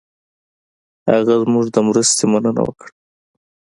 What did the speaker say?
هغه زموږ د مرستې مننه وکړه.